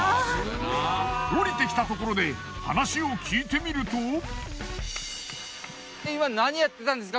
降りてきたところで話を聞いてみると。